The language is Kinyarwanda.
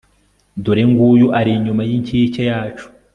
dore nguyu ari inyuma y'inkike yacu